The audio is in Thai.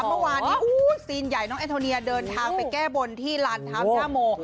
เมื่อวานนี้ซีนใหญ่น้องแอนโทเนียเดินทางไปแก้บนที่ลานเท้าหน้าโม